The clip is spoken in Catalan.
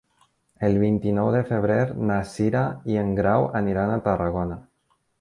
El vint-i-nou de febrer na Cira i en Grau aniran a Tarragona.